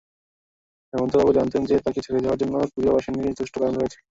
হেমন্ত বাবু জানতেন যে, তাকে ছেড়ে যাওয়ার জন্য প্রিয়বাসিনীর যথেষ্ট কারণ রয়েছে।